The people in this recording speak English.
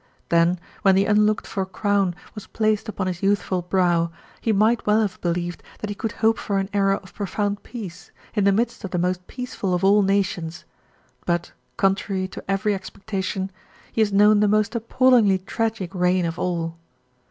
Then, when the unlooked for crown was placed upon his youthful brow, he might well have believed that he could hope for an era of profound peace, in the midst of the most peaceful of all nations, but, contrary to every expectation, he has known the most appallingly tragic reign of all.